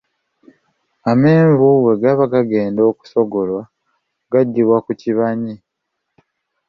Amenvu bwe gaba gagenda okusogolwa, gaggyibwa ku kibanyi.